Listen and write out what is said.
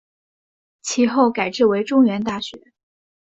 其后改制为中原大学。